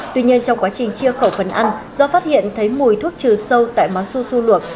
tuy nhiên trong quá trình chia khẩu phần ăn do phát hiện thấy mùi thuốc trừ sâu tại món su su luộc